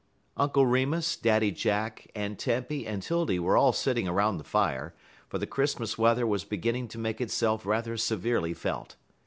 _" Uncle Remus, Daddy Jack, Aunt Tempy, and 'Tildy were all sitting around the fire, for the Christmas weather was beginning to make itself rather severely felt.